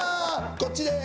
こっちです。